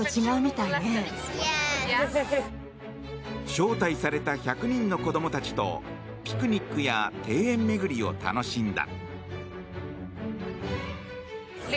招待された１００人の子供たちとピクニックや庭園巡りを楽しんだ。